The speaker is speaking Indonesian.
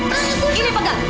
ini yang pegel